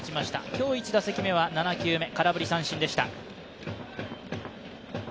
今日１打席目は７球目、空振り三振でした。